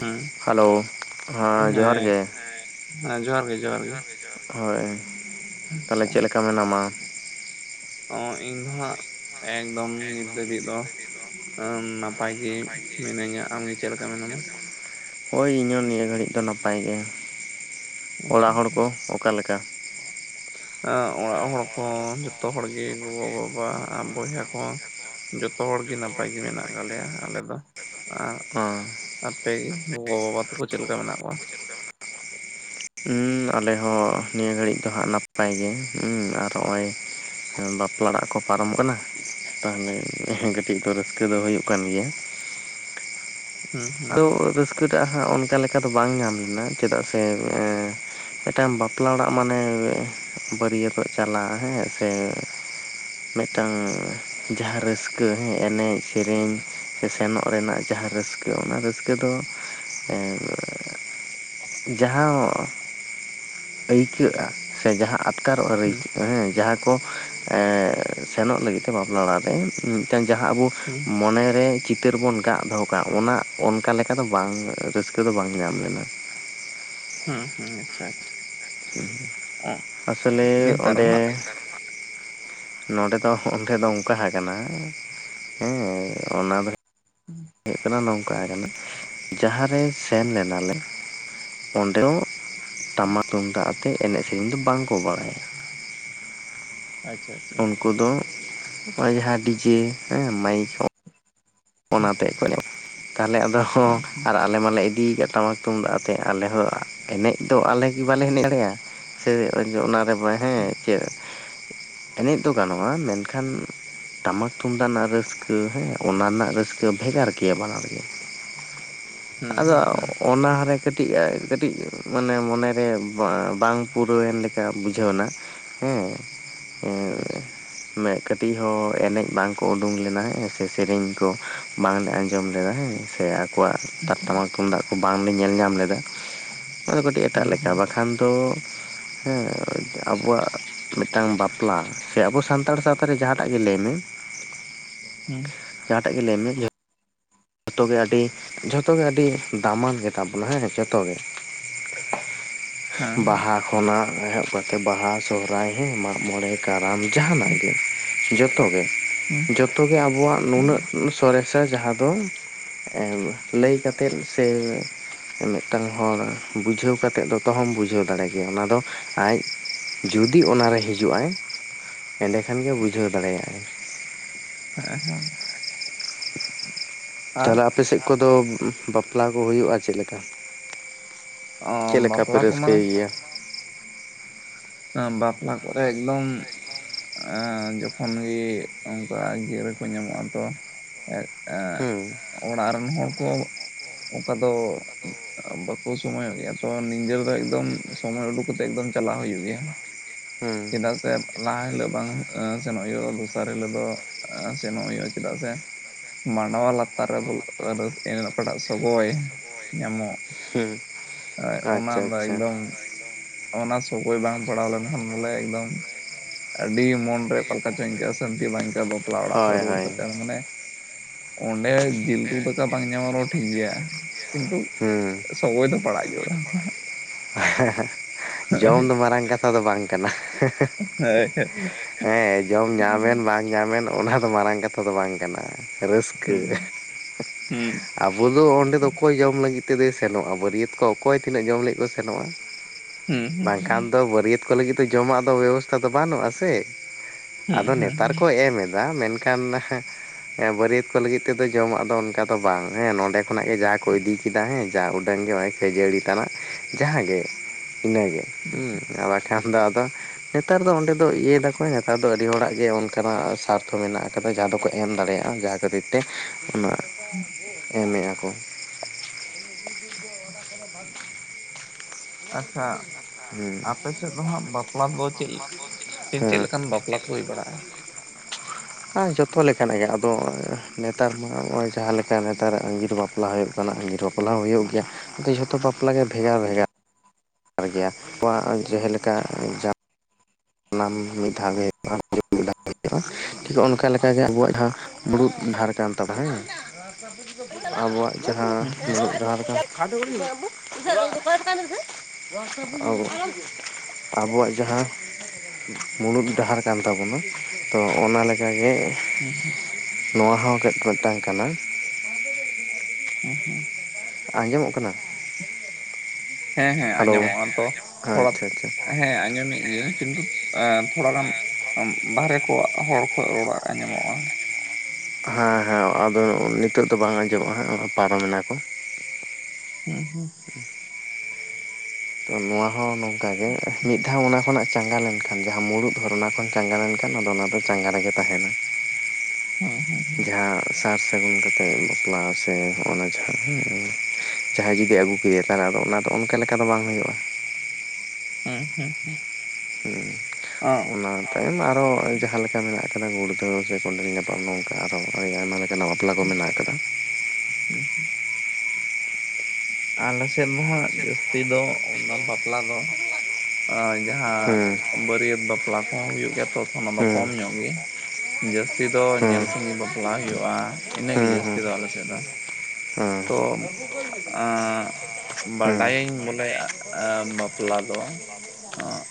ᱦᱩᱸ ᱦᱮᱞᱳ ᱦᱮᱸ ᱡᱚᱦᱟᱨ ᱜᱮ ᱦᱮᱸ ᱡᱚᱦᱟᱨ ᱜᱮ ᱡᱚᱦᱟᱨ ᱜᱮ ᱦᱳᱭ ᱛᱟᱦᱚᱞᱮ ᱟᱪᱪᱷᱟ ᱪᱮᱫ ᱞᱮᱠᱟ ᱢᱮᱱᱟᱢᱟ ᱚ ᱤᱧ ᱫᱚ ᱦᱟᱸᱜ ᱮᱠᱫᱚᱢ ᱱᱤᱛ ᱫᱷᱟᱹᱵᱤᱡ ᱫᱚ ᱱᱟᱯᱟᱭ ᱜᱮ ᱢᱤᱱᱟᱹᱧᱟ ᱟᱢᱜᱮ ᱪᱮᱫ ᱞᱮᱠᱟ ᱢᱮᱱᱟᱢᱟ ᱦᱳᱭ ᱤᱧᱟᱹᱜ ᱱᱤᱭᱟᱹ ᱜᱷᱟᱹᱲᱤᱡ ᱫᱚ ᱱᱟᱯᱟᱭ ᱜᱮ ᱟᱪᱪᱷᱟ ᱚᱲᱟᱜ ᱦᱚᱲ ᱠᱚ ᱟᱪᱪᱷᱟ ᱚᱠᱟᱞᱮᱠᱟ ᱚᱲᱟᱜ ᱦᱚᱲ ᱠᱚ ᱡᱚᱛᱚ ᱦᱚᱲᱜᱮ ᱜᱚᱜᱚᱼᱵᱟᱵᱟ ᱵᱚᱭᱦᱟ ᱠᱚ ᱡᱚᱛᱚ ᱦᱚᱲᱜᱮ ᱱᱟᱯᱟᱭ ᱜᱮ ᱢᱮᱱᱟᱜ ᱠᱫᱟᱞᱮᱭᱟ ᱟᱞᱮ ᱫᱚ ᱟᱨ ᱦᱚᱸ ᱟᱯᱮᱜᱮ ᱜᱚᱜᱚᱼᱵᱟᱵᱟ ᱛᱟᱠᱚ ᱪᱮᱫ ᱞᱮᱠᱟ ᱢᱮᱱᱟᱜ ᱠᱚᱣᱟ ᱦᱩᱸ ᱟᱞᱮ ᱦᱚᱸ ᱱᱤᱭᱟᱹ ᱜᱷᱟᱹᱲᱤᱜ ᱫᱚ ᱦᱟᱸᱜ ᱱᱟᱯᱟᱭ ᱜᱮ ᱦᱩ ᱟᱨ ᱱᱚᱜᱼᱚᱭ ᱦᱮᱸ ᱵᱟᱯᱞᱟ ᱚᱟᱜ ᱠᱚ ᱯᱟᱨᱚᱢ ᱠᱟᱱᱟ᱾ ᱛᱟᱦᱚᱞᱮ ᱠᱟᱹᱴᱤᱡ ᱫᱚ ᱨᱟᱹᱥᱠᱟᱹ ᱫᱚ ᱦᱩᱭᱩᱜ ᱠᱟᱱ ᱜᱮᱭᱟ ᱦᱩᱸ ᱦᱩᱸ ᱟᱫᱚ ᱨᱟᱹᱥᱠᱟᱹ ᱴᱟᱜ ᱦᱟᱸᱜ ᱚᱱᱠᱟ ᱞᱮᱠᱟ ᱫᱚ ᱵᱟᱝ ᱧᱟᱢ ᱞᱮᱱᱟ ᱪᱮᱫᱟᱜ ᱥᱮ ᱮ ᱢᱤᱫ ᱴᱟᱝ ᱵᱟᱯᱞᱟ ᱚᱲᱟᱜ ᱢᱟᱱᱮ ᱵᱟᱹᱨᱭᱟᱹᱛᱚᱜ ᱪᱟᱞᱟᱜᱼᱟ ᱦᱮᱸ ᱥᱮ ᱢᱤᱫᱴᱟᱝ ᱡᱟᱦᱟᱸ ᱨᱟᱹᱥᱠᱟᱹᱮ ᱮᱱᱮᱡ ᱥᱮᱨᱮᱧ ᱥᱮ ᱥᱮᱱᱚᱜ ᱨᱮᱱᱟᱜ ᱡᱟᱦᱟᱸ ᱨᱟᱹᱥ ᱚᱱᱟ ᱨᱟᱹᱥᱠᱟᱹ ᱫᱚ ᱮᱸᱜ ᱡᱟᱦᱟᱸ ᱟᱹᱭᱠᱟᱹᱜᱼᱟ ᱥᱮ ᱡᱟᱦᱟᱸ ᱟᱴᱠᱟᱨᱚᱜ ᱦᱟᱹᱨᱤᱜ ᱦᱩᱸ ᱦᱮᱸ ᱡᱟᱦᱟᱸ ᱠᱚ ᱮᱻ ᱥᱮᱱᱚᱜ ᱞᱟᱹᱜᱤᱫ ᱛᱮ ᱵᱟᱯᱞᱟ ᱚᱲᱟᱜ ᱨᱮ ᱩᱸ ᱢᱤᱛᱴᱟ. ᱜ ᱡᱟᱦᱟᱸ ᱟᱵᱚ ᱦᱩᱸ ᱢᱚᱱᱮᱨᱮ ᱪᱤᱛᱟᱹᱨ ᱵᱚᱱ ᱠᱟᱜ ᱫᱚᱦᱚ ᱚᱠᱟ ᱚᱱᱟ ᱚᱱᱠᱟ ᱞᱮᱠᱟ ᱫᱚ ᱵᱟᱝ ᱨᱟᱹᱥᱠᱟᱹ ᱫᱚ ᱵᱟᱝ ᱧᱟᱢ ᱞᱮᱱᱟ᱾ ᱟᱪᱪᱷᱟ-ᱟᱪᱪᱷᱟ ᱟᱥᱞᱮ ᱱᱮᱛᱟᱨ ᱚᱸᱰᱮ ᱢᱟ ᱱᱚᱰᱮ ᱫᱚ ᱦᱚᱸᱰᱮ ᱫᱚ ᱚᱱᱠᱟ ᱦᱟᱠᱟᱱᱟ ᱦᱮᱸᱻ ᱚᱱᱟ ᱫᱚ ᱦᱩᱭᱩᱜ ᱠᱟᱱᱟ ᱱᱚᱝᱠᱟ ᱦᱟᱠᱟᱱᱟ ᱡᱟᱦᱟᱸᱨᱮ ᱥᱮᱱ ᱞᱮᱱᱟᱞᱮ ᱚᱸᱰᱮ ᱣᱚᱸ ᱴᱟᱢᱟᱠ ᱛᱩᱢᱫᱟᱜ ᱟᱛᱮ ᱮᱱᱮᱜ ᱥᱮᱨᱮᱧ ᱫᱚ ᱵᱟᱝᱠᱚ ᱵᱟᱲᱟᱭᱟ᱾ ᱟᱪᱪᱷᱟ ᱟᱪᱪᱷᱟ ᱩᱱᱠᱩ ᱫᱚ ᱦᱚᱸᱜᱼᱚᱭ ᱡᱟᱦᱟᱸ ᱰᱤᱡᱮ ᱦᱮᱸ ᱢᱟᱭᱤᱠ ᱦᱮᱸ ᱚ ᱦᱩᱸ ᱚᱱᱟᱛᱮᱜ ᱠᱷᱚᱡᱽᱼᱚ ᱛᱟᱦᱚᱞᱮ ᱟᱫᱚ ᱦᱩᱸ ᱟᱨ ᱟ ᱞᱮ ᱢᱟᱞᱮ ᱤᱫᱤᱭ ᱠᱮᱫ ᱴᱟᱢᱟᱠ ᱟᱛᱮᱜ ᱟᱞᱮ ᱦᱚᱸ ᱮᱱᱮᱡ ᱫᱚ ᱟᱞᱮ ᱜᱮ ᱵᱟᱞᱮ ᱮᱱᱮᱡ ᱫᱟᱲᱮᱭᱟᱜᱼᱟ ᱥᱮ ᱚᱧᱡᱚ ᱚᱱᱟ ᱨᱮ ᱵᱚᱲᱦᱮᱸ ᱦᱩᱸ ᱪᱮᱫ? ᱮᱱᱮᱡ ᱫᱚ ᱜᱟᱱᱚᱼᱟ ᱢᱮᱱᱠᱷᱟᱱ ᱴᱟᱢᱟᱠ ᱛᱩᱢᱫᱟᱜ ᱱᱟ ᱨᱟᱹᱥᱠᱟᱹ ᱦᱮᱸ ᱚᱱᱟ ᱱᱟᱜ ᱨᱟᱹᱥᱠᱟᱹ ᱵᱷᱮᱜᱟᱨ ᱜᱮᱭᱟ ᱵᱟᱱᱟᱨ ᱜᱮ ᱦᱩᱸ ᱟᱫᱚ ᱦᱩᱸ ᱚᱻ ᱚᱜ ᱦᱩᱸ ᱚᱱᱟᱨᱮ ᱠᱟᱹᱴᱤᱡ ᱟᱭ ᱠᱟᱹᱴᱤᱡ ᱢᱟᱱᱮ ᱢᱚᱱᱮᱨᱮ ᱵᱟᱸ ᱵᱟᱝ ᱯᱩᱨᱟᱹᱣᱮᱱ ᱞᱮᱠᱟ ᱵᱩᱡᱷᱟᱹᱣᱮᱱᱟ᱾ ᱦᱮᱸᱻ ᱟᱪᱪᱷᱟ ᱮᱸᱻ ᱢᱮ ᱠᱟᱹᱴᱤᱡ ᱦᱚᱸ ᱮᱱᱮᱡ ᱵᱟᱝᱠᱚ ᱩᱰᱩᱸ ᱞᱮᱱᱟ ᱦᱮᱸ ᱥᱮ ᱥᱮᱨᱮᱧ ᱠᱚ ᱵᱟᱝᱞᱮ ᱟᱸᱡᱚᱢ ᱞᱮᱫᱟ ᱦᱮᱸ ᱥᱮ ᱟᱠᱚᱣᱟᱜ ᱴᱟᱜ ᱟᱪᱪᱷᱟ ᱴᱟᱢᱟᱠ ᱛᱩᱢᱫᱟᱜ ᱠᱚ ᱵᱟᱝᱞᱮ ᱧᱮᱞ ᱧᱟᱢ ᱞᱮᱫᱟ᱾ ᱦᱚᱸᱜᱼᱚᱭ ᱫᱚ ᱠᱟᱹᱴᱤᱡ ᱮᱴᱟᱜ ᱦᱩᱸ ᱞᱮᱠᱟ ᱦᱩᱸ ᱵᱟᱠᱷᱟᱱ ᱫᱚ ᱦᱮᱸᱻ ᱟᱵᱚᱣᱟᱜᱼᱟ ᱢᱤᱫᱴᱟᱝ ᱵᱟᱯᱞᱟ ᱥᱮ ᱟᱵᱚ ᱥᱟᱱᱛᱟᱲ ᱥᱟᱶᱛᱟ ᱨᱮ ᱡᱟᱦᱟᱸᱴᱟᱜ ᱜᱮ ᱞᱟᱹᱭ ᱢᱮ? ᱦᱩᱸ ᱤᱱᱟᱰᱤᱵᱟᱞ ᱮᱱᱮ ᱡᱮ ᱛᱟᱵᱮ ᱟᱹᱰᱤ ᱡᱷᱚᱛᱚᱜᱮ ᱟᱹᱰᱤ ᱫᱟᱢᱟᱱ ᱜᱮᱛᱟᱵᱱᱟ ᱦᱮᱸ ᱡᱚᱛᱚ ᱜᱮ ᱦᱮᱸ [inaudible] ᱦᱮᱸ ᱵᱟᱦᱟ ᱠᱷᱚᱱᱟᱜ ᱮᱦᱚᱵ ᱠᱟᱛᱮ ᱵᱟᱦᱟ ᱥᱚᱦᱨᱟᱭ ᱦᱮᱸᱻ ᱢᱟᱜ ᱢᱚᱬᱮ ᱠᱟᱨᱟᱢ ᱡᱟᱦᱟᱱᱟᱜ ᱜᱮᱼᱼ ᱡᱚᱛᱚᱜᱮ ᱦᱩᱸ ᱡᱚᱛᱚᱜᱮ ᱟᱵᱚᱣᱟᱜ ᱦᱩᱸ ᱱᱩᱱᱟᱹᱜ ᱩᱸ ᱥᱚᱨᱮᱥᱟ ᱡᱟᱦᱟᱸ ᱫᱚ ᱮᱻ ᱞᱟᱹᱭ ᱠᱟᱛᱮᱫ ᱥᱮ ᱢᱤᱫᱴᱟᱝ ᱦᱚᱲ ᱵᱩᱡᱷᱟᱹᱣ ᱠᱟᱛᱮᱫ ᱫᱚᱛᱚᱦᱚᱢ ᱵᱩᱡᱷᱟᱹᱣ ᱫᱟᱲᱮ ᱜᱮᱭᱟ ᱚᱱᱟ ᱫᱚ ᱟᱭᱡ ᱡᱩᱫᱤ ᱚᱱᱟᱨᱮ ᱦᱤᱡᱩᱜ-ᱟᱭ ᱮᱸᱰᱮᱠᱷᱟᱱᱜᱮ ᱵᱩᱡᱷᱟᱹᱣ ᱫᱟᱲᱮᱭᱟᱜᱼᱟᱭ ᱦᱮᱸ ᱦᱚᱸ ᱟᱨ ᱛᱟᱦᱞᱮ ᱟᱯᱮ ᱥᱮᱫ ᱠᱚᱫᱚ ᱵᱟᱯᱞᱟ ᱠᱚ ᱦᱩᱭᱩᱜᱼᱟ ᱪᱮᱫ ᱞᱮᱠᱟ? ᱪᱮᱫ ᱞᱮᱠᱟ ᱯᱮ ᱵᱟᱯᱞᱟ ᱠᱚᱢᱟ ᱨᱟᱹᱥᱠᱟᱹᱭ ᱜᱮᱭᱟ? ᱦᱮᱸ ᱵᱟᱯᱞᱟ ᱠᱚᱨᱮ ᱮᱠᱫᱚᱢ ᱟᱼ ᱡᱚᱠᱷᱚᱱ ᱜᱮ ᱚᱝᱠᱟ ᱜᱤᱨᱟᱹ ᱠᱚ ᱧᱟᱢᱚᱜᱼᱟ ᱛᱚ ᱮᱸᱫ ᱮᱸᱜ ᱦᱩᱸ ᱚᱲᱟᱜ ᱨᱮᱱ ᱦᱚᱲ ᱠᱚ ᱚᱱᱠᱟ ᱫᱚ ᱵᱟᱠᱚ ᱥᱚᱢᱚᱭ ᱚᱜ ᱜᱮᱭᱟ ᱛᱚ ᱱᱤᱫᱟᱹ ᱵᱮᱲᱟ ᱮᱠᱫᱚᱢ, ᱥᱚᱢᱚᱭ ᱩᱰᱩᱠ ᱠᱚᱛᱮᱫ ᱮᱠᱫᱚᱢ ᱪᱟᱞᱟᱣ ᱦᱩᱭᱩᱜ ᱜᱮᱭᱟ ᱦᱩᱸ ᱪᱮᱫᱟᱜ ᱥᱮ ᱞᱟᱦᱟ ᱦᱤᱞᱳᱜ ᱵᱟᱝ ᱮᱸ ᱥᱮᱱᱚᱜ ᱦᱩᱭᱩᱜ ᱨᱮᱦᱚᱸ ᱫᱚᱥᱟᱨ ᱦᱤᱞᱳᱜ ᱫᱚ ᱥᱮᱱᱚᱜ ᱦᱩᱭᱩᱜ-ᱟ ᱪᱮᱫᱟᱜ ᱥᱮ ᱢᱟᱱᱰᱣᱟ ᱞᱟᱛᱟᱨ ᱨᱮ ᱵᱚᱞ ᱨᱟᱹᱥ ᱮᱸ ᱚᱠᱟᱴᱟᱜ ᱥᱚᱜᱚᱭ ᱧᱟᱢᱚᱜ ᱦᱩᱸ ᱮᱸᱜ ᱚᱱᱟ ᱟᱪᱪᱷᱟ ᱫᱚ ᱟᱪᱪᱷᱟ ᱮᱠᱫᱚᱢ ᱚᱱᱟ ᱥᱚᱜᱚᱭ ᱵᱟᱝ ᱯᱟᱲᱟᱣ ᱞᱮᱱᱠᱷᱟᱱ ᱵᱚᱞᱮ ᱮᱠᱫᱚᱢ ᱟᱹᱰᱤ ᱢᱚᱱ ᱨᱮ ᱚᱠᱟᱞᱮᱠᱟ ᱪᱟᱝ ᱟᱹᱭᱠᱟᱹᱜᱼᱟ ᱥᱟᱹᱱᱛᱤ ᱵᱟᱝ ᱟᱹᱭᱠᱟᱹᱜ-ᱟ ᱵᱚ ᱛᱳᱣᱟ ᱚᱲᱟᱜ ᱦᱳᱭ ᱠᱷᱚᱡ ᱨᱩᱣᱟᱹᱲ ᱦᱳᱭ ᱠᱟᱛᱮ ᱦᱚ ᱢᱚᱱᱮ ᱚᱸᱰᱮ ᱡᱤᱞ ᱩᱛᱩ ᱫᱠᱟ ᱵᱟᱝ ᱧᱟᱢᱚᱜ ᱨᱮᱚᱸ ᱴᱷᱤᱠ ᱜᱮᱭᱟ ᱠᱤᱱᱛᱩ [inaudible] ᱥᱚᱵᱚᱭ ᱫᱚ ᱯᱟᱲᱟᱜ ᱜᱮᱭᱟ ᱦᱟᱸᱜ, ᱦᱮᱸ ᱦᱮᱸ ᱡᱚᱢ ᱫᱚ ᱢᱟᱨᱟᱝ ᱠᱟᱛᱷᱟ ᱫᱚ ᱵᱟᱝ ᱠᱟᱱᱟ, ᱦᱮᱸ ᱦᱮᱸ ᱡᱚᱢ ᱧᱟᱢᱮᱱ ᱵᱟᱝ, ᱧᱟᱢᱮᱱ ᱚᱱᱟ ᱫᱚ ᱢᱟᱨᱟᱝ ᱠᱟᱛᱷᱟ ᱫᱚ ᱵᱟᱝ ᱠᱟᱱᱟ ᱦᱮᱸ ᱨᱟᱹᱥᱠᱟᱹ, ᱦᱩᱸ ᱦᱩᱸ ᱟᱵᱚ ᱫᱚ ᱚᱸᱰᱮ ᱫᱚ ᱚᱠᱚᱭ ᱡᱚᱢ ᱞᱟᱹᱜᱤᱫ ᱛᱮᱫᱚᱭ ᱥᱮᱱᱚᱜᱼᱟ ᱵᱟᱹᱨᱤᱭᱟᱹᱛ ᱠᱚ ᱚᱠᱚᱭ ᱛᱤᱱᱟᱹᱜ ᱡᱚᱢ ᱞᱟᱹᱜᱤᱫ ᱥᱮᱱᱚᱜᱼᱟ ᱦᱩᱸ ᱵᱟᱝ ᱠᱷᱟᱱ ᱫᱚ ᱵᱟᱹᱨᱤᱭᱟᱹᱛ ᱠᱚ, ᱠᱚ ᱞᱟᱹᱜᱤᱫ ᱫᱚ ᱡᱚᱢᱟᱜ ᱫᱚ ᱵᱮᱵᱚᱥᱛᱷᱟ ᱫᱚ ᱵᱟᱹᱱᱩᱜᱼᱟ ᱥᱮ ᱦᱩᱸ ᱟᱫᱚ ᱦᱩᱸ ᱱᱮᱛᱟᱨ ᱦᱩᱸ ᱠᱚ ᱮᱢ ᱮᱫᱟ ᱢᱮᱱᱠᱷᱟᱱ ᱠᱟᱱᱱᱟ, ᱦᱮᱸ ᱵᱟᱹᱨᱤᱭᱟᱹᱛ ᱠᱚ ᱞᱟᱹᱜᱤᱫ ᱛᱮᱫᱚ ᱡᱚᱢᱟᱜ ᱫᱚ ᱚᱱᱠᱟ ᱫᱚ ᱵᱟᱝ ᱦᱮᱸ ᱱᱚᱸᱰᱮ ᱠᱷᱚᱱᱟᱜ ᱜᱮ ᱡᱟᱦᱟᱸᱭ ᱠᱚ ᱤᱫᱤ ᱠᱮᱫᱟ ᱦᱮᱸ ᱡᱟ ᱩᱰᱟᱹᱝ ᱜᱮ ᱚᱭ ᱠᱷᱟᱹᱡᱟᱹᱲᱤ ᱛᱟᱱᱟᱜ, ᱡᱟᱦᱟᱸᱜᱮ ᱤᱱᱟᱹᱜᱮ ᱦᱮᱸ ᱵᱟᱠᱷᱟᱱ ᱫᱚ ᱟᱫᱚ ᱱᱮᱛᱟᱨ ᱫᱚ ᱚᱸᱰᱮ ᱫᱚ ᱤᱭᱟᱹ ᱫᱟᱠᱚ ᱱᱮᱛᱟᱨ ᱫᱚ ᱟᱹᱰᱤ ᱦᱚᱲᱟᱜ ᱜᱮ ᱚᱱᱠᱟᱱᱟᱜ ᱜᱮ ᱥᱟᱨᱛᱷᱚ ᱢᱮᱱᱟᱜ ᱟᱠᱟᱫᱟ ᱡᱟᱦᱟᱸ ᱫᱚᱠᱚ ᱮᱢ ᱫᱟᱲᱮᱭᱟᱜᱼᱟ, ᱠᱷᱟᱹᱛᱤᱨ ᱛᱮ ᱚᱱᱟ ᱮᱢᱮᱫ ᱟᱠᱚ, [unintelligible] [unintelligible] ᱟᱪᱪᱷᱟ, ᱦᱮᱸ ᱟᱯᱮ ᱥᱮᱫ ᱫᱚ ᱦᱟᱸᱜ ᱵᱟᱯᱞᱟ ᱫᱚ ᱪᱮᱫ ᱪᱮᱫ ᱞᱮᱠᱟᱱ ᱵᱟᱯᱞᱟ ᱠᱚ ᱦᱩᱭ ᱵᱟᱲᱟᱜᱼᱟ, ᱟ ᱡᱚᱛᱚ ᱞᱮᱠᱟᱱᱟᱜ ᱜᱮ ᱟᱫᱚ ᱱᱮᱛᱟᱨ ᱢᱟ ᱱᱚᱜᱼᱚᱭ ᱡᱟᱦᱟᱸ ᱞᱮᱠᱟ ᱱᱮᱛᱟᱨᱟᱜ ᱟᱸᱜᱤᱨ ᱵᱟᱯᱞᱟ, ᱵᱟᱯᱞᱟ ᱦᱩᱭᱩᱜ ᱠᱟᱱᱟ ᱟᱹᱜᱤᱨ ᱵᱟᱯᱞᱟ ᱦᱚᱸ ᱦᱩᱭᱩᱜ ᱜᱮᱭᱟ ᱟᱫᱚ ᱡᱷᱚᱛᱚ ᱵᱟᱯᱞᱟ ᱜᱮ ᱵᱷᱮᱜᱟᱨ ᱵᱷᱮᱜᱟᱨ, [unintelligible] ᱱᱚᱣᱟ ᱡᱮᱦᱮ ᱞᱮᱠᱟ ᱡᱟ ᱥᱟᱱᱟᱢ ᱢᱤᱫ ᱫᱷᱟᱣ ᱜᱮ [unintelligible] ᱴᱷᱤᱠ ᱚᱱᱠᱟ ᱞᱮᱠᱟᱜᱮ ᱟᱵᱚᱣᱟᱜ ᱦᱚᱸ ᱢᱩᱲᱩᱛ ᱰᱟᱦᱟᱨ ᱠᱟᱱ ᱛᱟᱵᱚᱱᱟ ᱦᱮᱸ ᱟᱵᱚᱣᱟᱜ ᱡᱟᱦᱟᱸ, ᱦᱩᱸ ᱦᱩᱸ [unintelligible] [unintelligible] [unintelligible] ᱟᱵᱚᱣᱟᱜ ᱡᱟᱦᱟ ᱦᱩᱸ ᱢᱩᱬᱩᱫ ᱰᱟᱦᱟᱨ ᱠᱟᱱ ᱛᱟᱵᱚᱱᱟ ᱛᱚ ᱚᱱᱟ ᱞᱮᱠᱟᱜᱮ, ᱦᱩᱸ ᱦᱩᱸ ᱱᱚᱣᱟ ᱦᱚᱸ ᱢᱤᱫᱴᱟᱝ ᱠᱟᱱᱟ, ᱦᱩᱸ ᱦᱩᱸ, ᱟᱸᱡᱚᱢᱚᱜ ᱠᱟᱱᱟ? ᱦᱮᱸ ᱦᱮᱸ ᱦᱮᱞᱳ ᱟᱸᱡᱚᱢᱚᱜ ᱠᱟᱱᱟ ᱛᱚ ᱛᱷᱚᱲᱟ ᱟᱪᱪᱷᱟ ᱟᱪᱪᱷᱟ ᱦᱮᱸ ᱟᱸᱡᱚᱢᱮᱫ ᱜᱤᱭᱟᱹᱧ, ᱠᱤᱱᱛᱩ ᱛᱷᱚᱲᱟ ᱜᱟᱱ ᱵᱟᱨᱦᱮ ᱠᱚᱣᱟᱜ ᱦᱚᱲ ᱠᱚ ᱨᱚᱲᱟᱜ ᱟᱸᱡᱚᱢ ᱚᱜ ᱠᱟᱱᱟ, ᱦᱮᱸ ᱦᱮᱸ ᱟᱫᱚ ᱱᱤᱛᱚᱜ ᱫᱚ ᱵᱟᱝ ᱟᱸᱡᱚᱢᱚᱜᱼᱟ ᱦᱟᱸᱜ ᱯᱟᱨᱚᱢ ᱮᱱᱟ ᱠᱚ, ᱦᱩᱸ ᱦᱩᱸ, [inaudible] [inaudible] ᱛᱚ ᱱᱚᱣᱟ ᱦᱚᱸ ᱱᱚᱝᱠᱟ ᱜᱮ ᱢᱤᱫ ᱫᱷᱟᱣ ᱚᱱᱟ ᱠᱷᱚᱱᱟᱜ ᱪᱟᱸᱜᱟ ᱞᱮᱱᱠᱷᱟᱱ ᱡᱟᱦᱟᱸ ᱢᱩᱲᱩᱫ ᱦᱚᱨ ᱚᱱᱟ ᱠᱷᱚᱱ, ᱪᱟᱸᱜᱟ ᱞᱮᱱᱠᱷᱟᱱ ᱟᱫᱚ ᱚᱱᱟ ᱫᱚ ᱪᱟᱸᱜᱟ ᱨᱮᱜᱮ ᱛᱟᱦᱮᱱᱟ, ᱦᱮᱸ ᱦᱮᱸ, ᱡᱟᱦᱟᱸ ᱥᱟᱨ ᱥᱟᱹᱜᱩᱱ ᱠᱟᱛᱮᱜ ᱵᱟᱯᱞᱟ ᱥᱮ ᱱᱚᱜ ᱚᱱᱟ ᱡᱟᱦᱟᱸ ᱦᱮᱸ ᱡᱟᱦᱟᱸᱭ ᱡᱩᱫᱤ ᱟᱹᱜᱩ ᱠᱮᱫᱮᱭᱟ ᱛᱟᱦᱚᱞᱮ ᱚᱱᱟ ᱫᱚ ᱚᱱᱠᱟ ᱞᱮᱠᱟ ᱫᱚ ᱵᱟᱝ ᱦᱩᱭᱩᱜᱼᱟ, ᱦᱮᱸ ᱦᱮᱸ ᱦᱮᱸ, [unintelligible] ᱞᱮᱸ ᱚᱱᱟ ᱛᱟᱭᱚᱢ ᱟᱨ ᱦᱚᱸ ᱡᱟᱦᱟᱸ ᱞᱮᱠᱟ ᱢᱮᱱᱟᱜ ᱟᱠᱟᱫᱟ ᱜᱩᱲᱫᱷᱟᱹᱣ ᱥᱮ ᱠᱚᱸᱰᱮᱞ ᱧᱟᱯᱟᱢ ᱱᱚᱝᱠᱟ ᱟᱨ ᱦᱚ ᱟᱹᱰᱤ ᱟᱭᱢᱟ ᱞᱮᱠᱟᱱᱟᱜ ᱵᱟᱯ ᱵᱟᱯᱞᱟ ᱠᱚ ᱢᱮᱱᱟᱜ ᱟᱠᱟᱫᱟ, [unintelligible] ᱟᱞᱮ ᱥᱮᱫ ᱢᱟ ᱦᱟᱸᱜ ᱡᱟᱹᱥᱛᱤ ᱫᱚ ᱚᱱᱟ ᱵᱟᱯᱞᱟ ᱫᱚ ᱦᱮᱸ ᱡᱟᱦᱟᱸ ᱵᱟᱹᱨᱤᱭᱟᱹᱛ ᱵᱟᱯᱞᱟ ᱠᱚᱦᱚᱸ ᱦᱩᱭᱩᱜ ᱜᱮᱭᱟ ᱛᱚ ᱚᱱᱟ ᱫᱚ ᱦᱮᱸ ᱠᱚᱢ ᱧᱚᱜ ᱜᱮ ᱡᱟᱹᱥ ᱡᱟᱹᱥᱛᱤ ᱫᱚ ᱦᱮᱸ ᱧᱮᱞ ᱥᱟᱜᱮ ᱵᱟᱯᱞᱟ ᱦᱩᱭᱩᱜᱼᱟ ᱤᱱᱟᱹ ᱜᱮ ᱦᱮᱸ ᱡᱟᱹᱥᱛᱤ ᱫᱚ ᱟᱞᱮ ᱥᱮᱫ ᱫᱚ, ᱦᱮᱸ [unintelligible] ᱮᱸ ᱦᱮᱸ ᱵᱟᱰᱟᱭᱟᱹᱧ ᱵᱚᱞᱮ ᱵᱟᱯᱞᱟ ᱫᱚ,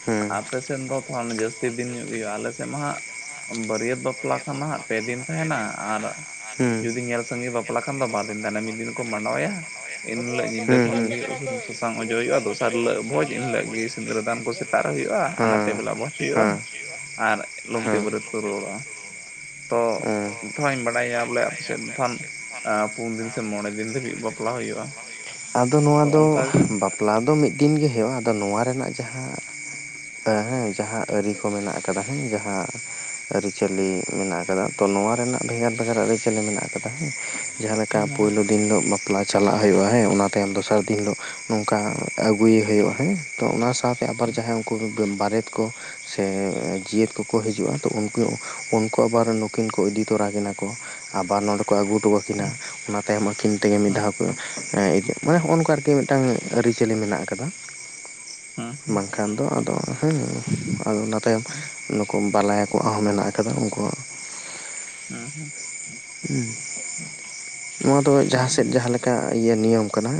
ᱦᱮᱸ ᱟᱯᱮ ᱥᱮᱫ ᱫᱚ ᱛᱚ ᱦᱟᱸᱜ ᱡᱟᱹᱥᱛᱤ ᱫᱤᱱ ᱧᱚᱜ ᱜᱮ ᱦᱩᱭᱩᱜᱼᱟ ᱟᱞᱮ ᱥᱮᱫ ᱢᱟ ᱦᱟᱸᱜ ᱵᱟᱹᱨᱭᱟᱹᱛ ᱵᱟᱯᱞᱟ ᱠᱷᱟᱱ ᱫᱚ ᱦᱟᱸᱜ ᱯᱮ ᱫᱤᱱ ᱛᱟᱦᱮᱱᱟ ᱟᱨ ᱦᱮᱸ ᱡᱩᱫᱤ ᱧᱮᱞ ᱥᱟᱺᱜᱮ ᱵᱟᱯᱞᱟ ᱠᱷᱟᱱ ᱫᱚ ᱵᱟᱨ ᱫᱤᱱ ᱛᱟᱦᱮᱱᱟ ᱢᱤᱫ ᱫᱤᱱ ᱠᱚ ᱢᱟᱸᱰᱣᱟᱭᱟ ᱮᱱ ᱦᱤᱞᱟᱹᱜ ᱧᱤᱫᱟᱹ ᱦᱮᱸ ᱠᱷᱚᱱ ᱦᱮᱸ ᱜᱮ ᱥᱩᱱᱩᱢ ᱥᱟᱥᱟᱝ ᱚᱡᱚᱜ ᱦᱩᱭᱩᱜ-ᱟ ᱫᱚᱥᱟᱨ ᱦᱤᱞᱟᱹᱜ ᱵᱷᱚᱡᱽ ᱮᱱ ᱦᱤᱞᱟᱹᱜ ᱜᱮ ᱥᱤᱸᱫᱽᱨᱟᱹ ᱫᱟᱱ ᱠᱚ [inaudible] ᱦᱩᱭᱩᱜ-ᱟ ᱟᱱᱟᱛᱮ ᱦᱮᱸ ᱵᱮᱞᱟ ᱵᱷᱚᱡᱽ ᱦᱩᱭᱩᱜ-ᱟ ᱦᱮᱸ ᱟᱨ ᱞᱩᱝᱛᱤ ᱦᱮᱸ ᱵᱟᱹᱨᱟᱹᱭᱛ ᱠᱚ ᱨᱩᱣᱟᱹᱲᱚᱜ-ᱟ ᱛᱚ ᱦᱮᱸ ᱛᱷᱚᱲᱟᱧ ᱵᱟᱲᱟᱭᱟ ᱵᱚᱞᱮ ᱟᱯᱮᱥᱮᱫ ᱫᱷᱚᱱ ᱯᱩᱱ ᱫᱤᱱ ᱥᱮ ᱢᱚᱬᱮ ᱫᱤᱱ ᱫᱷᱟᱹᱵᱤᱡ ᱵᱟ ᱠᱚᱨᱟᱣ ᱦᱩᱭᱩᱜ-ᱟ ᱟᱫᱚ ᱱᱚᱣᱟ ᱫᱚ ᱵᱟᱯᱞᱟ ᱫᱚ ᱢᱤᱫ ᱫᱤᱱ ᱜᱮ ᱦᱮᱣᱟ ᱟᱫᱚ ᱱᱚᱣᱟ ᱨᱮᱱᱟᱜ ᱡᱟᱦᱟᱸ ᱦᱮᱸ ᱦᱮᱸ ᱡᱟᱦᱟᱸ ᱟᱹᱨᱤ ᱠᱚ ᱢᱮᱱᱟᱜ ᱟᱠᱟᱫᱟ ᱦᱮᱸ ᱡᱟᱦᱟᱸ ᱟᱹᱨᱤᱪᱟᱹᱞᱤ ᱢᱮᱱᱟᱜ ᱟᱠᱟᱫᱟ ᱛᱚ ᱱᱚᱣᱟ ᱨᱮᱱᱟᱜ ᱵᱷᱮᱜᱟᱨᱼᱵᱷᱮᱜᱟᱨ ᱟᱹᱨᱤᱼᱪᱟᱹᱞᱤ ᱢᱮᱱᱟᱜ ᱠᱟᱫᱟ ᱦᱮᱸ᱾ ᱡᱟᱦᱟᱸ ᱞᱮᱠᱟ ᱦᱮᱸ ᱦᱮᱸ ᱯᱳᱭᱞᱳ ᱫᱤᱱ ᱦᱤᱞᱳᱜ ᱵᱟᱯᱞᱟ ᱪᱟᱞᱟᱜ ᱦᱳᱭᱳᱜᱼᱟ᱾ ᱦᱮᱸ ᱚᱱᱟ ᱛᱟᱭᱚᱢ ᱫᱚ ᱥᱟᱹᱨᱫᱤ ᱦᱤᱞᱳᱜ ᱱᱚᱝᱠᱟ ᱟᱹᱜᱩᱭᱮ ᱦᱩᱭᱩᱜ-ᱟ ᱦᱮᱸ ᱛᱚ ᱚᱱᱟ ᱥᱟᱶᱛᱮ ᱟᱵᱟᱨ ᱡᱟᱦᱟᱸ [unintelligible] ᱫᱚ ᱵᱟᱨᱮᱛ ᱠᱚ ᱥᱮ ᱡᱤᱭᱟᱹᱛ ᱠᱚᱠᱚ ᱦᱤᱡᱩᱜ-ᱟ ᱛᱚ ᱩᱱᱠᱩ, ᱩᱱᱠᱩ ᱟᱵᱟᱨ ᱱᱩᱠᱤᱱ ᱠᱚ ᱤᱫᱤ ᱛᱚᱨᱟ ᱠᱤᱱᱟ ᱠᱚ᱾ ᱟᱵᱟᱨ ᱱᱚᱸᱰᱮ ᱠᱚ ᱟᱹᱜᱩ ᱦᱚᱴᱚ ᱟᱹᱠᱤᱱᱟ ᱦᱮᱸ ᱚᱱᱟ ᱛᱟᱭᱚᱢ ᱟᱹᱠᱤᱱ ᱛᱮᱜᱮ ᱢᱤᱫ ᱦᱮᱸ ᱫᱷᱟᱣ ᱛᱮ ᱦᱮᱸ ᱤᱠᱟᱹᱜ ᱢᱮ ᱦᱚᱸᱜᱼᱚ ᱱᱚᱝᱠᱟ ᱟᱨᱠᱤ ᱢᱤᱴᱟᱝ ᱟᱹᱨᱤᱼᱪᱟᱹᱞᱤ ᱢᱮᱱᱟᱜ ᱟᱠᱟᱫᱟ᱾ ᱦᱮᱸ ᱦᱮᱸ ᱵᱟᱝᱠᱷᱟᱱ ᱫᱚ ᱟᱫᱚ ᱦᱩᱸ ᱟᱫᱚ ᱚᱱᱟ ᱛᱟᱭᱚᱢ ᱱᱩᱠᱩ ᱵᱟᱞᱟᱭᱟ ᱠᱚᱣᱟᱜ ᱦᱚᱸ ᱢᱮᱱᱟᱜ ᱟᱠᱟᱫᱟ ᱩᱱᱠᱩᱣᱟᱜ ᱮ ᱦᱮ ᱦᱩ ᱱᱚᱣᱟ ᱫᱚ ᱦᱮᱸ ᱡᱟᱦᱟᱸᱥᱮᱫ ᱦᱮᱸ ᱡᱟᱦᱟᱸᱞᱮᱠᱟ ᱤᱭᱟᱹ ᱱᱤᱭᱚᱢ ᱠᱟᱱᱟ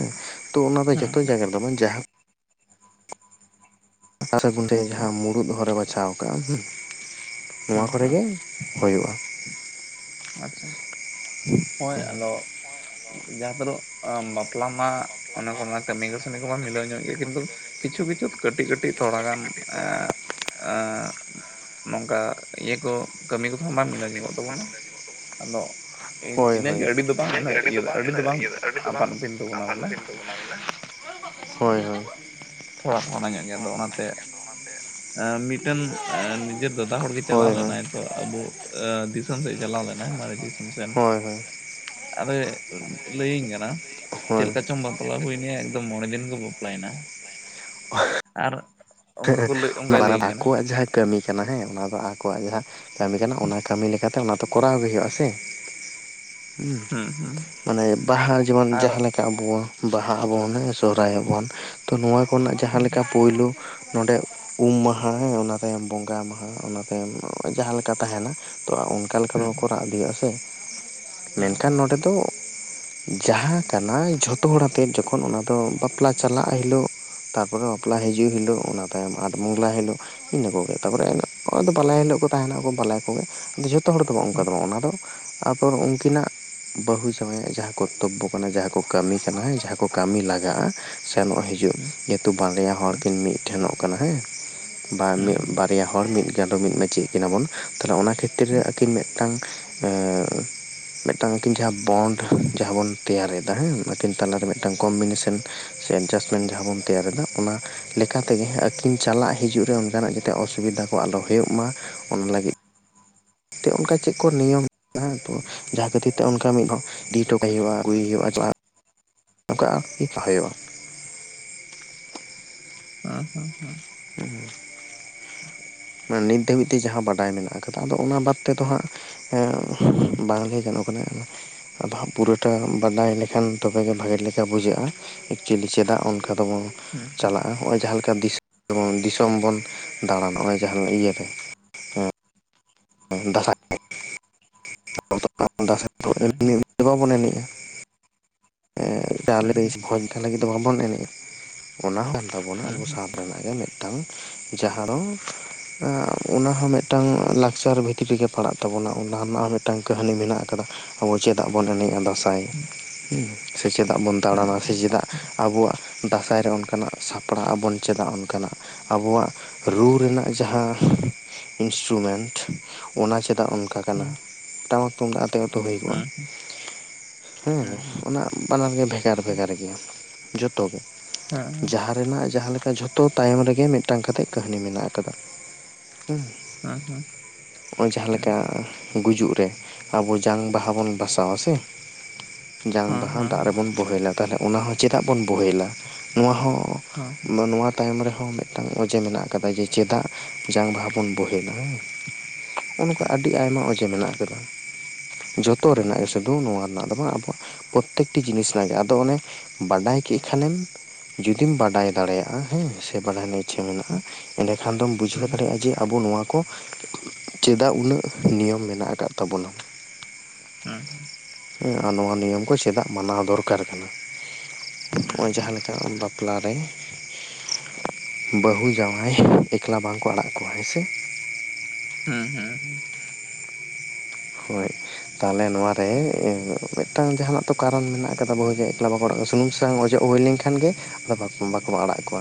ᱛᱚ ᱚᱱᱟ ᱫᱚ ᱦᱩᱸ ᱡᱷᱚᱛᱚ ᱡᱟᱭᱜᱟ ᱨᱮᱫᱚ ᱵᱟᱝ, ᱡᱟᱦᱟᱸ [unintelligible] ᱦᱩᱸ ᱡᱟᱦᱟᱸ ᱢᱩᱬᱩᱫ ᱦᱚᱨᱮ ᱵᱟᱪᱷᱟᱣ ᱠᱟᱜ-ᱟ ᱦᱩᱸ ᱱᱚᱣᱟ ᱦᱩᱸ ᱠᱚᱨᱮ ᱦᱩᱸ ᱜᱮ ᱦᱳᱭᱳᱜ-ᱟ᱾ ᱟᱪᱪᱷᱟ ᱦᱚᱭ ᱟᱫᱚ ᱡᱟᱦᱟᱸ [unintelligible] ᱵᱟᱯᱞᱟ ᱢᱟ ᱚᱱᱟ [unintelligible] ᱠᱟᱹᱢᱤ ᱠᱟᱹᱥᱱᱤ ᱠᱚᱢᱟ ᱢᱤᱞᱟᱹᱣ ᱧᱚᱜ ᱜᱮᱭᱟ ᱠᱤᱱᱛᱩ ᱠᱤᱪᱷᱩ ᱠᱤᱪᱷᱩ ᱠᱟᱹᱴᱤᱡ ᱠᱟᱹᱴᱤᱡ ᱛᱷᱚᱲᱟᱜᱟᱱ ᱮ ᱟᱸ ᱱᱚᱝᱠᱟ ᱤᱭᱟᱹ ᱠᱚ ᱠᱟᱹᱢᱤ ᱠᱚᱫᱚ ᱦᱟ ᱵᱟᱝ ᱢᱤᱞᱟᱹᱣ ᱧᱚᱜᱚᱜ ᱛᱟᱵᱚᱱᱟ᱾ ᱟᱫᱚ ᱦᱳᱭ ᱤᱱ-ᱤᱱᱟᱹ ᱦᱳᱭ ᱜᱮ ᱟᱹᱰᱤ ᱫᱚ ᱛᱟᱝ ᱤᱱᱦᱚᱸ ᱤᱭᱟᱹ ᱟᱹᱰᱤ ᱫᱚ ᱵᱟᱝ ᱟᱯᱟᱱ ᱟᱹᱯᱤᱱ ᱛᱟᱵᱚᱱᱟ ᱵᱚᱞᱮ᱾ ᱦᱳᱭ ᱦᱳᱭ᱾ ᱛᱷᱚᱲᱟ [unintelligible] ᱧᱚᱜ ᱜᱮᱭᱟ ᱟᱫᱚ ᱚᱱᱟᱛᱮ ᱟᱻ ᱢᱤᱫᱴᱟᱹᱱ ᱟᱻ ᱱᱤᱡᱮᱨ ᱫᱟᱫᱟ ᱦᱚᱲᱜᱮ ᱦᱳᱭ ᱪᱟᱞᱟᱣ ᱦᱳᱭ ᱞᱮᱱᱟᱭ ᱛᱚ ᱟᱵᱚ ᱟᱻ ᱫᱤᱥᱚᱢ ᱥᱮᱡ ᱪᱟᱞᱟᱣ ᱞᱮᱱᱟᱭ ᱢᱟᱨᱮ ᱫᱤᱥᱚᱢ ᱥᱮᱱ ᱦᱳᱭ ᱦᱳᱭ ᱟᱨᱮ ᱞᱟᱹᱭᱤᱧ ᱠᱟᱱᱟ ᱪᱮᱫ ᱦᱳᱭ ᱞᱮᱠᱟ ᱪᱚᱢ ᱵᱟ [unintelligible] ᱮᱠᱫᱚᱢ ᱢᱚᱬᱮ ᱫᱤᱱ ᱠᱚ ᱵᱟᱯᱞᱟᱭᱱᱟ [inaudible] ᱟᱨ ᱚᱱᱠᱟ ᱠᱚ ᱞᱟᱹᱭ ᱚᱱᱠᱟᱭ [unintelligible] ᱞᱟᱹᱭᱟᱹᱧ ᱠᱟᱱᱟ ᱟᱠᱚᱣᱟᱜ ᱡᱟᱦᱟᱸ ᱠᱟᱹᱢᱤ ᱠᱟᱱᱟ ᱦᱮᱸ ᱚᱱᱟ ᱫᱚ ᱟᱠᱚᱣᱟᱜ ᱡᱟᱦᱟᱸ ᱠᱟᱹᱢᱤ ᱠᱟᱱᱟ ᱚᱱᱟ ᱠᱟᱹᱢᱤ ᱞᱮᱠᱟ ᱚᱱᱟ ᱛᱚ ᱠᱚᱨᱟᱣ ᱦᱩᱭᱩᱜ-ᱟ ᱥᱮ ᱦᱩ ᱦᱩᱸ ᱦᱩᱸ ᱢᱟᱱᱮ ᱵᱟᱦᱟ ᱡᱮᱢᱚᱱ ᱟᱨ ᱡᱟᱦᱟᱸ ᱞᱮᱠᱟ ᱟᱵᱚ ᱵᱟᱦᱟ ᱟᱵᱚᱱ ᱦᱮᱸ ᱥᱚᱦᱨᱟᱭ ᱟᱵᱚᱱ ᱛᱚ ᱱᱚᱣᱟ ᱠᱚᱨᱮᱱᱟᱜ ᱡᱟᱦᱟᱸ ᱦᱩᱸ ᱞᱮᱠᱟ ᱯᱳᱭᱞᱳ ᱱᱚᱸᱰᱮ ᱩᱢ ᱢᱟᱦᱟ ᱦᱮᱸ, ᱚᱱᱟ ᱛᱟᱭᱚᱢ ᱵᱚᱸᱜᱟ ᱢᱟᱦᱟ, ᱚᱱᱟ ᱛᱟᱭᱚᱢ ᱡᱟᱦᱟᱸ ᱞᱮᱠᱟ ᱛᱟᱦᱮᱱᱟ᱾ ᱛᱚ ᱚᱝᱠᱟ ᱞᱮᱠᱟ ᱦᱩᱸ ᱫᱚ ᱠᱚᱨᱟᱣ ᱤᱫᱤᱭᱟ ᱥᱮ ᱦᱩᱸ ᱢᱮᱱᱠᱷᱟᱱ ᱦᱩᱸ ᱦᱩᱸ ᱱᱚᱸᱰᱮ ᱫᱚ, ᱡᱟᱦᱟᱸ ᱠᱟᱱᱟ ᱡᱷᱚᱛᱚ ᱦᱚᱲ ᱟᱛᱮᱫ ᱡᱚᱠᱷᱚᱱ ᱚᱱᱟᱫᱚ ᱵᱟᱯᱞᱟ ᱪᱟᱞᱟᱜ ᱦᱤᱞᱳᱜ᱾ ᱛᱟᱨᱯᱚᱨ ᱵᱟᱯᱞᱟ ᱦᱤᱡᱤᱠ ᱦᱤᱞᱳᱜ ᱚᱱᱟ ᱛᱟᱭᱚᱢ ᱟᱴ ᱢᱩᱣᱟᱹᱞᱟ ᱦᱮᱞᱳᱜ ᱤᱱᱟᱹ ᱠᱚᱜᱮ ᱛᱟᱨᱯᱚᱨᱮ ᱦᱩᱸ ᱤᱱᱟᱹ ᱠᱚ ᱟᱫᱚ ᱵᱟᱞᱟᱭᱟ ᱦᱤᱞᱳᱜ ᱠᱚ ᱛᱟᱦᱮᱱᱟ ᱵᱟᱞᱟᱭᱟ ᱠᱚᱜᱮ ᱡᱷᱚᱛᱚ ᱦᱚᱲ ᱫᱚ ᱦᱩᱸ ᱦᱩᱸ ᱦᱩᱸ ᱦᱩᱸ ᱦᱩᱸ ᱦᱩᱸ ᱦᱩᱸ ᱦᱩᱸ ᱦᱩᱸ ᱦᱩᱸ ᱦᱩᱸ ᱦᱩᱸ ᱦᱩᱸ ᱦᱩᱸ ᱦᱩᱸ ᱦᱩᱸ ᱦᱩᱸ ᱵᱟᱝ ᱚᱱᱠᱟ ᱫᱚ ᱵᱟᱝ ᱚᱱᱟᱫᱚ ᱟᱯᱚᱨ ᱩᱱᱠᱤᱱᱟᱜ ᱵᱟᱹᱦᱩ ᱡᱟᱣᱟᱭᱟᱜ ᱡᱟᱦᱟᱸ ᱠᱚᱨᱛᱚᱵᱵᱚ ᱠᱟᱱᱟ ᱡᱟᱦᱟᱸ ᱠᱚ ᱠᱟᱹᱢᱤ ᱠᱟᱱᱟ ᱡᱟᱦᱟᱸ ᱠᱚ ᱠᱟᱹᱢᱤ ᱞᱟᱜᱟᱜ-ᱟ ᱥᱮᱱᱚᱜ ᱦᱤᱡᱩᱜ ᱡᱮᱛᱩ ᱵᱟᱨᱭᱟ ᱦᱚᱲ ᱠᱤᱱ ᱢᱤᱫᱴᱷᱮᱱᱚᱜ ᱠᱟᱱᱟ ᱦᱮᱸ ᱵᱟᱱ [unintelligible] ᱦᱩᱸ ᱵᱟᱨᱭᱟ ᱦᱚᱲ ᱢᱤᱫ ᱜᱟᱸᱰᱚ ᱢᱤᱫ ᱢᱟᱪᱤᱭᱮᱫ ᱠᱤᱱᱟ ᱵᱚᱱ ᱛᱟᱞᱦᱮ ᱚᱱᱟ ᱠᱷᱮᱛᱨᱮ ᱟᱹᱠᱤᱱ ᱢᱮᱫᱴᱟᱝ ᱮᱻ ᱢᱮᱫᱴᱟᱝ ᱠᱤᱱ ᱴᱷᱮᱭᱟᱜ ᱵᱚᱱᱰ ᱡᱟᱦᱟᱸ ᱵᱚᱱ ᱛᱮᱭᱟᱨᱮᱫᱟ ᱦᱮᱸ ᱟᱠᱤᱱ ᱛᱟᱞᱟᱨᱮ ᱢᱮᱫᱴᱟᱝ ᱠᱚᱢᱵᱤᱱᱮᱥᱮᱱ, ᱥᱮ ᱮᱰᱡᱟᱥᱴᱢᱮᱱᱴ ᱡᱟᱦᱟᱸ ᱵᱚᱱ ᱛᱮᱭᱟᱨᱮᱫᱟ ᱚᱱᱟ [unintelligible] ᱚᱱᱠᱟ ᱛᱮᱜᱮ ᱟᱹᱠᱤᱱ ᱪᱟᱞᱟᱜ ᱦᱤᱡᱩᱜ ᱨᱮ ᱚᱱᱠᱟᱱᱟᱜ ᱡᱟᱛᱮ ᱚᱥᱩᱵᱤᱫᱟ ᱠᱚ ᱟᱞᱚ ᱦᱳᱭᱳᱜ ᱢᱟ, ᱚᱱᱟ ᱞᱟᱹᱜᱤᱫ ᱛᱮ ᱚᱱᱠᱟ ᱪᱮᱫ ᱠᱚ ᱱᱤᱭᱚᱢ ᱛᱚ ᱡᱟᱦᱟᱸ ᱠᱷᱟᱹᱛᱤᱨ ᱛᱮ ᱚᱱᱠᱟ ᱢᱤᱫ ᱦᱚᱲ ᱤᱫᱤ ᱦᱚᱴᱚ ᱠᱟᱭ ᱦᱩᱭᱩᱜᱼᱟ, ᱦᱩᱭᱩᱜᱼᱟ ᱱᱚᱝᱠᱟ ᱦᱩᱭᱩᱜᱼᱟ᱾ ᱦᱟᱸ ᱦᱟᱸ ᱦᱟᱸ ᱦᱩᱸ ᱦᱩ ᱱᱤᱛ ᱫᱷᱟᱹᱵᱤᱡ ᱛᱮ ᱡᱟᱦᱟᱸ ᱵᱟᱰᱟᱭ ᱢᱮᱱᱟᱜ ᱠᱟᱫᱟ ᱟᱫᱚ ᱚᱱᱟ ᱵᱟᱫ ᱛᱮᱫᱚ ᱦᱟᱸᱜ ᱦᱮ ᱵᱟᱝ ᱞᱟᱹᱭ ᱜᱟᱱᱚᱜ ᱠᱟᱱᱟ᱾ ᱟᱫᱚ ᱦᱟᱸᱜ ᱯᱩᱨᱟᱹᱴᱟᱜ ᱵᱟᱰᱟᱭ ᱞᱮᱠᱷᱟᱱ ᱛᱚᱵᱮᱜᱮ ᱵᱷᱟᱹᱜᱤ ᱞᱮᱠᱟ ᱵᱩᱡᱷᱟᱹᱜᱼᱟ ᱮᱪᱩᱭᱮᱞᱤ ᱪᱮᱫᱟᱜ ᱚᱱᱠᱟ ᱫᱚᱵᱚᱱ ᱪᱟᱞᱟᱜᱼᱟ ᱱᱚᱜᱼᱚᱭ ᱡᱟᱦᱟᱸ ᱞᱮᱠᱟ ᱫᱤᱥᱚᱢ ᱵᱚᱱ ᱫᱟᱬᱟᱱᱟ ᱱᱚᱸᱜᱼᱚᱭ ᱡᱟᱦᱟᱸ ᱤᱭᱟᱹ ᱨᱮ ᱫᱟᱸᱥᱟᱭ, ᱫᱟᱸᱥᱟᱭ ᱫᱚ ᱮᱢᱱᱤ ᱮᱢᱱᱤ ᱵᱟᱵᱚᱱ ᱮᱱᱮᱡᱼᱟ [unintelligible] ᱵᱷᱚᱡᱽ ᱞᱟᱹᱜᱤᱫ ᱫᱚ ᱵᱟᱵᱚᱱ ᱮᱱᱮᱡᱼᱟ, ᱚᱱᱟ ᱦᱚᱸ ᱠᱟᱱ ᱛᱟᱵᱚᱱᱟ ᱦᱩᱸ ᱟᱵᱚ ᱦᱩᱸ ᱥᱟᱶᱛᱟ ᱨᱮᱱᱟᱜ [unintelligible] ᱢᱤᱫᱴᱟᱝ ᱡᱟᱦᱟᱸ ᱫᱚ ᱚᱱᱟᱦᱚᱸ ᱢᱤᱫᱴᱟᱝ ᱞᱟᱠᱪᱟᱨ ᱵᱷᱤᱛᱨᱤᱜᱮ ᱯᱟᱲᱟᱜ ᱛᱟᱵᱚᱱᱟ, ᱚᱱᱟ ᱨᱮᱱᱟᱜ ᱦᱚᱸ ᱢᱤᱫᱴᱟᱝ ᱠᱟᱹᱦᱱᱤ ᱢᱮᱱᱟᱜ ᱟᱠᱟᱫᱟ᱾ ᱟᱵᱚ ᱪᱮᱫᱟᱜ ᱵᱚᱱ ᱮᱱᱮᱡᱼᱟ ᱫᱟᱸᱥᱟᱭ? ᱦᱩᱸ ᱦᱩᱸ ᱥᱮ ᱪᱮᱫᱟᱜ ᱵᱚᱱ ᱦᱮᱸ ᱫᱟᱬᱟᱱᱟ ᱦᱮᱸ ᱦᱮᱸ ᱦᱮᱸ ᱦᱮᱸ ᱦᱮᱸ ᱥᱮ ᱦᱮᱸ ᱦᱮᱸ ᱦᱮᱸ ᱦᱮᱸ ᱦᱮᱸ ᱪᱮᱫᱟᱜ? ᱟᱵᱚᱣᱟᱜ ᱫᱟᱸᱥᱟᱭ ᱨᱮ ᱚᱱᱠᱟᱱᱟᱜ ᱥᱟᱯᱲᱟᱜ ᱟᱵᱚᱱ ᱪᱮᱫᱟᱜ? ᱚᱱᱠᱟᱱᱟᱜ ᱟᱵᱚᱣᱟᱜ ᱨᱩ ᱨᱮᱱᱟᱜ ᱡᱟᱦᱟᱸ ᱤᱱᱥᱴᱨᱩᱢᱮᱱᱴ ᱚᱱᱟ ᱪᱮᱫᱟᱜ ᱦᱮᱸ ᱚᱱᱠᱟ ᱠᱟᱱᱟ? ᱦᱮᱸ ᱴᱟᱢᱟᱠ ᱛᱩᱢᱫᱟᱜ ᱟᱛᱮ ᱜᱮ ᱩᱛᱩ ᱦᱩᱭ ᱠᱚᱜᱼᱟ ᱦᱮᱸ ᱦᱮᱸ ᱚᱱᱟ ᱵᱟᱱᱟᱨ ᱜᱮ ᱵᱷᱮᱜᱟᱨ ᱵᱷᱮᱜᱟᱨ ᱜᱮᱭᱟ᱾ ᱡᱚᱛᱚ ᱜᱮ ᱡᱟᱦᱟᱸ ᱨᱮᱱᱟᱜ ᱡᱟᱦᱟᱸ ᱞᱮᱠᱟ ᱡᱷᱚᱛᱚ ᱛᱟᱭᱚᱢ ᱨᱮᱜᱮ ᱢᱤᱫᱴᱟᱝ ᱠᱟᱛᱮᱜ ᱠᱟᱹᱦᱱᱤ ᱢᱮᱱᱟᱜ ᱟᱠᱟᱫᱟ ᱦᱩᱸ ᱦᱟᱸ ᱦᱟᱸ ᱡᱟᱦᱟᱸᱞᱮᱠᱟ ᱜᱩᱡᱩᱜ ᱨᱮ ᱟᱵᱚ ᱡᱟᱝ ᱵᱟᱦᱟ ᱵᱚᱱ ᱵᱟᱥᱟ ᱟᱥᱮ ᱡᱟᱝ ᱵᱟᱦᱟ ᱫᱟᱜ ᱨᱮᱵᱚᱱ ᱵᱳᱦᱮᱞᱟ ᱛᱟᱦᱚᱞᱮ, ᱚᱱᱟ ᱦᱚᱸ ᱪᱮᱫᱟᱜ ᱵᱚᱱ ᱵᱳᱦᱮᱞᱟ? ᱱᱚᱣᱟ ᱦᱚᱸ ᱱᱚᱣᱟ ᱛᱟᱭᱚᱢ ᱨᱮᱦᱚᱸ ᱢᱤᱫᱴᱟᱝ ᱚᱡᱮ ᱢᱮᱱᱟᱜ ᱠᱟᱫᱟ, ᱡᱮ ᱪᱮᱫᱟᱜ ᱡᱟᱝ ᱵᱟᱦᱟ ᱵᱚᱱ ᱵᱳᱦᱮᱞᱟ ᱦᱮᱸ ᱚᱱᱠᱟ ᱟᱹᱰᱤ ᱟᱭᱢᱟ ᱚᱡᱮ ᱢᱮᱱᱟᱜ ᱠᱟᱫᱟ᱾ ᱡᱚᱛᱚ ᱨᱮᱱᱟᱜ ᱜᱮ ᱥᱩᱫᱷᱩ ᱱᱚᱣᱟ ᱨᱮᱱᱟᱜ ᱫᱚ ᱵᱟᱝ ᱟᱵᱚᱣᱟᱜ ᱯᱨᱚᱛᱮᱠᱴᱤ ᱡᱤᱱᱤᱥ ᱨᱮᱱᱟᱜ ᱟᱫᱚ ᱚᱱᱮ ᱵᱟᱰᱟᱭ ᱠᱮᱫ ᱠᱷᱟᱱᱮᱢ ᱡᱚᱫᱤᱢ ᱵᱟᱰᱟᱭ ᱫᱟᱲᱮᱭᱟᱜᱼᱟ, ᱦᱮᱸ ᱥᱮ ᱵᱟᱰᱟᱭ ᱨᱮᱱᱟᱜ ᱤᱪᱪᱟᱹ ᱢᱮᱱᱟᱜᱼᱟ ᱮᱸᱰᱮᱠᱷᱟᱱ ᱫᱚᱢ ᱵᱩᱡᱷᱟᱹᱣ ᱫᱟᱲᱮᱭᱟᱜᱼᱟ ᱡᱮ ᱟᱵᱚ ᱱᱚᱣᱟ ᱠᱚ ᱪᱮᱫᱟᱜ ᱩᱱᱟᱹᱜ ᱱᱤᱭᱚᱢ ᱢᱮᱱᱟᱜ ᱟᱠᱟᱫ ᱛᱟᱵᱚᱱᱟ? ᱦᱮᱸ ᱟᱨ ᱱᱚᱣᱟ ᱱᱤᱭᱚᱢ ᱠᱚ ᱪᱮᱫᱟᱜ ᱢᱟᱱᱟᱣ ᱫᱚᱨᱠᱟᱨ ᱠᱟᱱᱟ᱾ ᱱᱚᱜ ᱚᱭ ᱡᱟᱦᱟᱸ ᱞᱮᱠᱟ ᱵᱟᱯᱞᱟ ᱨᱮ ᱵᱟᱹᱦᱩ ᱡᱟᱶᱟᱭ ᱮᱠᱞᱟ ᱵᱟᱝ ᱠᱚ ᱟᱲᱟᱜ ᱠᱚᱣᱟ ᱦᱮᱸ ᱥᱮ? ᱦᱩᱸ ᱦᱩᱸ ᱦᱩᱸ ᱦᱳᱭ ᱛᱟᱦᱚᱞᱮ ᱱᱚᱣᱟ ᱨᱮ ᱢᱤᱫᱴᱟᱝ ᱡᱟᱦᱟᱱᱟᱜ ᱛᱚ ᱠᱟᱨᱚᱱ ᱢᱮᱱᱟᱜ ᱠᱟᱫᱟ ᱵᱟᱹᱦᱩ ᱡᱟᱣ ᱮᱠᱞᱟ ᱵᱟᱠᱚ ᱟᱲᱟᱜ ᱠᱚᱣᱟ ᱥᱩᱱᱩᱢ ᱥᱟᱥᱟᱝ ᱚᱡᱚᱜ ᱦᱩᱭ ᱞᱮᱱᱠᱷᱟᱱ ᱠᱷᱟᱱ ᱜᱮ ᱟᱫᱚ ᱵᱟᱠᱚ ᱟᱲᱟᱜ ᱠᱚᱣᱟ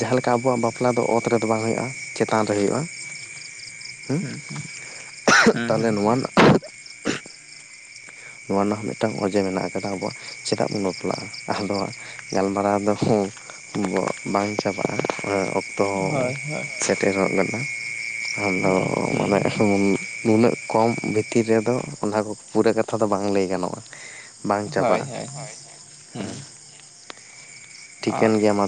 ᱡᱟᱦᱟᱸ ᱞᱮᱠᱟ ᱟᱵᱚᱣᱟᱜ ᱵᱟᱯᱞᱟ ᱫᱚ ᱚᱛ ᱨᱮᱫᱚ ᱵᱟᱝ ᱦᱩᱭᱩᱜᱼᱟ ᱪᱮᱛᱟᱱ ᱨᱮ ᱦᱩᱭᱩᱜᱼᱟ᱾ ᱦᱮᱸ [inaudible] ᱦᱮᱸ ᱛᱟᱦᱚᱞᱮ ᱦᱮᱸ ᱱᱚᱣᱟ ᱦᱮᱸ ᱨᱮᱱᱟᱜ ᱱᱚᱣᱟ ᱨᱮᱱᱟᱜ ᱦᱚᱸ ᱢᱤᱫᱴᱟᱱ ᱚᱡᱮ ᱢᱮᱱᱟᱜ ᱠᱟᱫᱟ᱾ ᱟᱵᱚᱣᱟᱜ ᱪᱮᱫᱟᱜ ᱵᱚᱱ ᱵᱟᱯᱞᱟᱜᱼᱟ? ᱟᱫᱚ ᱜᱟᱞᱢᱟᱨᱟᱣ ᱫᱚ ᱵᱟᱝ ᱪᱟᱵᱟᱜᱼᱟ ᱚᱠᱛᱚ ᱛᱚ ᱦᱳᱭ ᱦᱳᱭ ᱥᱮᱴᱮᱨᱚᱜ ᱠᱟᱱᱟ ᱦᱮᱸ ᱟᱱᱫᱚ ᱢᱟᱱᱮ ᱦᱮᱸ [unintelligible] ᱱᱩᱱᱟᱹᱜ ᱠᱚᱢ ᱵᱷᱤᱛᱤᱨ ᱨᱮᱫᱚ ᱚᱱᱟ ᱠᱚ ᱯᱩᱨᱟᱹ ᱠᱟᱛᱷᱟ ᱫᱚ ᱵᱟᱝ ᱞᱟᱹᱭ ᱜᱟᱱᱚᱜᱼᱟ᱾ ᱵᱟᱝ ᱦᱳᱭ ᱪᱟᱵᱟᱜᱼᱟ ᱦᱳᱭ ᱦᱮᱸ ᱟᱜ ᱾ᱴᱷᱤᱠᱟᱹᱱ ᱜᱮᱭᱟ ᱢᱟ